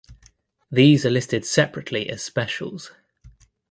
These are listed separately as specials.